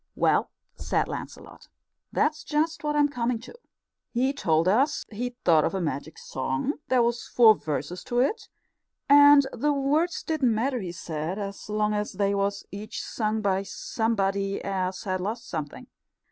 "Well," said Lancelot, "that's just what I'm coming to. He told us he'd thought of a magic song. There was four verses to it, and the words didn't matter, he said, so long as they was each sung by somebody as had lost something.